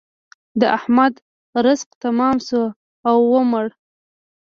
د احمد رزق تمام شو او ومړ.